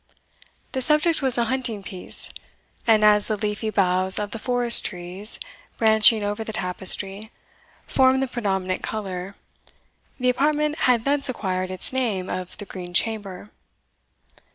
The subject was a hunting piece; and as the leafy boughs of the forest trees, branching over the tapestry, formed the predominant colour, the apartment had thence acquired its name of the Green Chamber.